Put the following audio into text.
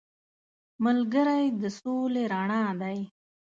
ملګری د سولې رڼا دی